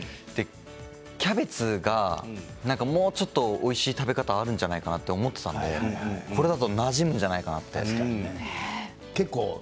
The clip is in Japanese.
キャベツがもうちょっとおいしい食べ方があるんじゃないかなと思っていたのでこれだと、なじむんじゃないかなって。